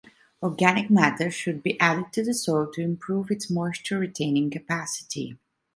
Organic matter should be added to the soil to improve its moisture-retaining capacity.